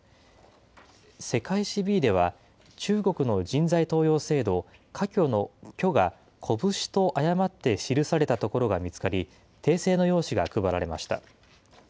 世界史Ｂでは、中国の人材登用制度、科挙の挙が、拳と誤って記されたところが見つかり、訂正の用紙が配られました。